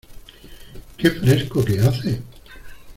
¡Qué fresco que hace!